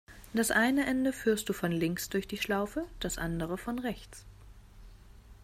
Das eine Ende führst du von links durch die Schlaufe, das andere von rechts.